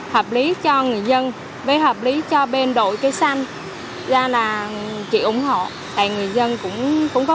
hợp lý cho người dân với hợp lý cho bên đội cây xanh ra là chị ủng hộ tại người dân cũng có